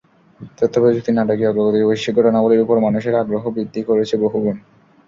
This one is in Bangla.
তথ্যপ্রযুক্তির নাটকীয় অগ্রগতি বৈশ্বিক ঘটনাবলির ওপর মানুষের আগ্রহ বৃদ্ধি করেছে বহগুণ।